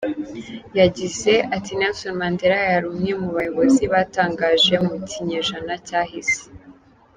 Yagize ati “Nelson Mandela yari umwe mu bayobozi batangaje mu kinyejana cyahise.